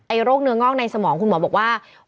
โรคเนื้องอกในสมองคุณหมอบอกว่า